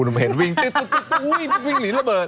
หนูเห็นวิ่งตุ๊กตุ๊กวิ่งหลีระเบิด